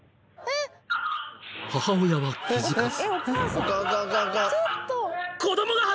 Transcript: ［母親は気付かず］